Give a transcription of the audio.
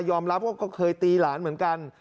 ยอมรับก็เคยตีหลานเหมือนกัน